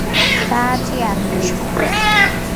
საათი არ მუშაობს